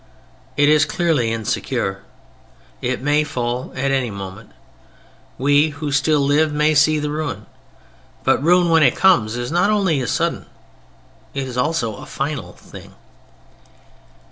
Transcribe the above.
It is clearly insecure. It may fall in any moment. We who still live may see the ruin. But ruin when it comes is not only a sudden, it is also a final, thing.